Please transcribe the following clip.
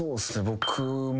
僕も。